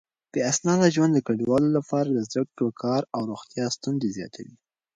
بې اسناده ژوند د کډوالو لپاره د زده کړو، کار او روغتيا ستونزې زياتوي.